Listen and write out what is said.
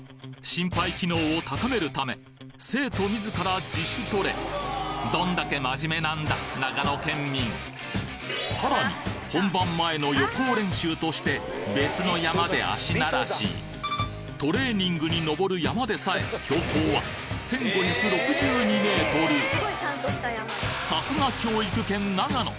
心肺機能を高めるため生徒自ら自主トレどんだけ真面目なんだ長野県民さらに本番前の予行練習として別の山で足馴らしトレーニングに登る山でさえさすが教育県長野。